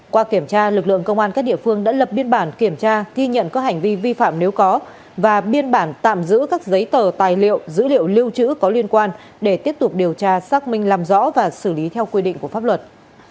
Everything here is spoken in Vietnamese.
qua kiểm tra lực lượng công an các địa phương đã lập biên bản kiểm tra ghi nhận các hành vi vi phạm nếu có và biên bản tạm giữ các giấy tờ tài liệu dữ liệu lưu trữ có liên quan để tiếp tục điều tra xác minh làm rõ và xử lý theo quy định của pháp luật